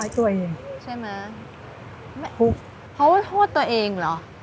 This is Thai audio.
ทำร้ายตัวเอง